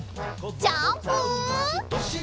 ジャンプ！